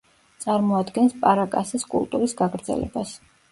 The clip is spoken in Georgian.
წარმოადგენს პარაკასის კულტურის გაგრძელებას.